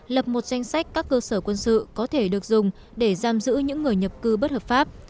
lập một danh sách các cơ sở quân sự có thể được dùng để giam giữ những người nhập cư bất hợp pháp